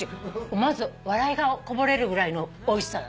思わず笑いがこぼれるぐらいのおいしさ。